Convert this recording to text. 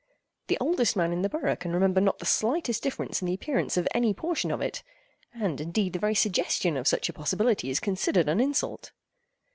The oldest man in the borough can remember not the slightest difference in the appearance of any portion of it; and, indeed, the very suggestion of such a possibility is considered an insult.